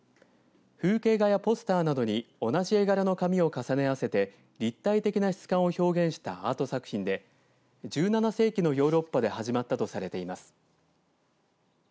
風景画やポスターなどに同じ絵柄の紙を重ね合わせて立体的な質感を表現したアート作品で、１７世紀にヨーロッパで始まったとされています。